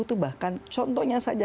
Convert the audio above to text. itu bahkan contohnya saja